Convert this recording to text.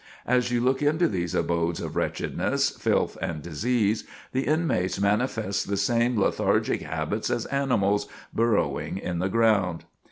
As you look into these abodes of wretchedness, filth and disease, the inmates manifest the same lethargic habits as animals, burrowing in the ground.